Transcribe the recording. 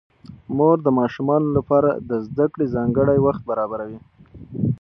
مور د ماشومانو لپاره د زده کړې ځانګړی وخت برابروي